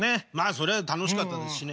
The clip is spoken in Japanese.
そりゃ楽しかったですしね。